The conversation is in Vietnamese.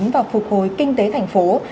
và phục hồi kinh tế thành phố